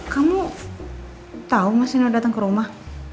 kamu tau mas nino datang ke rumah